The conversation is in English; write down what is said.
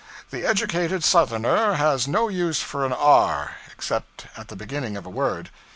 The educated Southerner has no use for an r, except at the beginning of a word.